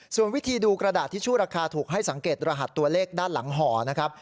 ส่วนวิธีดูกระดาษทิชชู่ราคาถูกให้สังเกตรหัสตัวเลขด้านหลังห่อนะครับ